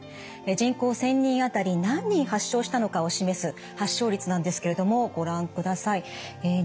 人口１，０００人あたり何人発症したのかを示す発症率なんですけれどもご覧ください。